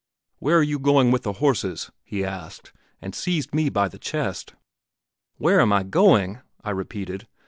'Where are you going with the horses?' he asked, and seized me by the chest. 'Where am I going?' I repeated.